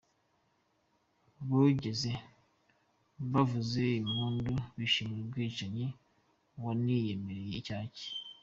Bogeze, bavuze impundu, bishimire umwicanyi waniyemereye icyaha cye?